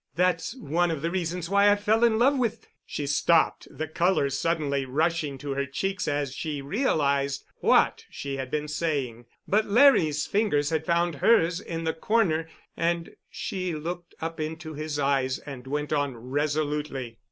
That's one of the reasons why I fell in love with——" She stopped, the color suddenly rushing to her cheeks as she realized what she had been saying. But Larry's fingers had found hers in the corner, and she looked up into his eyes and went on resolutely.